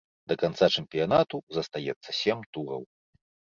Да канца чэмпіянату застаецца сем тураў.